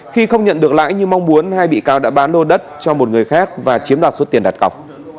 khi không nhận được lãi như mong muốn hai bị cáo đã bán lô đất cho một người khác và chiếm đoạt số tiền đặt cọc